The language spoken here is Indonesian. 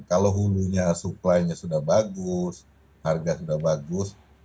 kalau hulunya supply nya sudah bagus harga sudah bagus